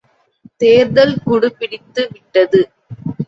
தேர்தல் குடு பிடித்து விட்டது!